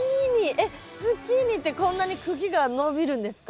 えっズッキーニってこんなに茎が伸びるんですか？